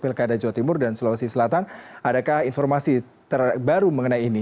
pilkada jawa timur dan sulawesi selatan adakah informasi terbaru mengenai ini